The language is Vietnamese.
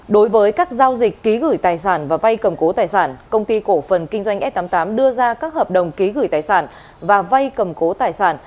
đối với các giao dịch ký gửi tài sản và vay cầm cố tài sản công ty cổ phần kinh doanh s tám mươi tám đưa ra các hợp đồng ký gửi tài sản và vay cầm cố tài sản